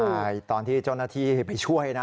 ใช่ตอนที่เจ้าหน้าที่ไปช่วยนะ